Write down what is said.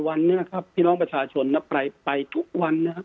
วันนี้นะครับพี่น้องประชาชนไปทุกวันนะครับ